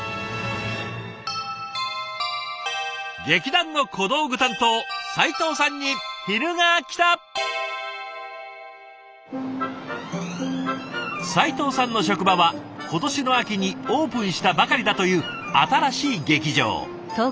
劇団の小道具担当齊藤さんの職場は今年の秋にオープンしたばかりだという新しい劇場。